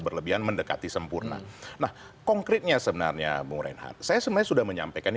berlebihan mendekati sempurna nah konkretnya sebenarnya muren saya semestinya sudah menyampaikan